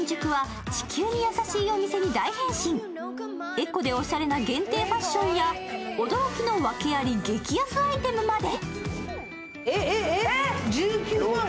エコでおしゃれな限定ファッションや驚きの訳あり激安アイテムまで。